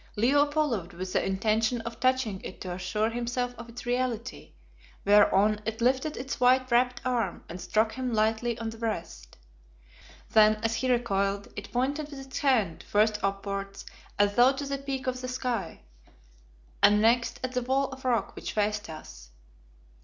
Leo followed with the intention of touching it to assure himself of its reality, whereon it lifted its white wrapped arm and struck him lightly on the breast. Then as he recoiled it pointed with its hand, first upwards as though to the Peak or the sky, and next at the wall of rock which faced us.